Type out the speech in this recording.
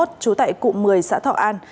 trú tại cụ một mươi xã thọ an